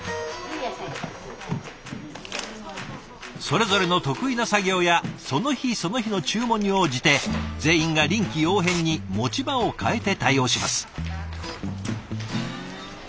それぞれの得意な作業やその日その日の注文に応じて全員が臨機応変に持ち場を変えて対応します。